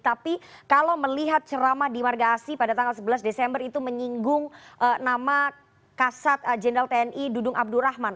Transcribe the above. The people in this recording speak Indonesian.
tapi kalau melihat ceramah di marga asi pada tanggal sebelas desember itu menyinggung nama kasat jenderal tni dudung abdurrahman